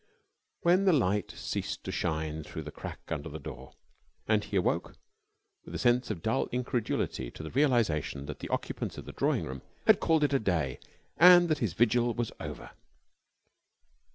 when the light ceased to shine through the crack under the door, and he awoke with a sense of dull incredulity to the realisation that the occupants of the drawing room had called it a day and that his vigil was over.